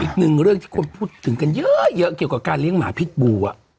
อีกนึงที่พูดถึงเยอะเกี่ยวกับการเลี้ยงหมาพิษบู